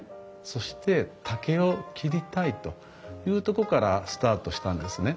そして竹を切りたいというとこからスタートしたんですね。